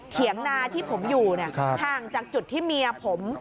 นาที่ผมอยู่ห่างจากจุดที่เมียผม